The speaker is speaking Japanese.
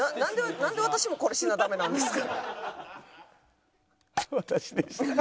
なんでわしこれやらなダメなんですか。